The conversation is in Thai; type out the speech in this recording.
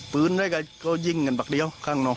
ฟื้นเลยก็ยิงกันแบบเดียวข้างนอก